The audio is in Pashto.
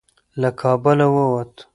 له کابله ووت.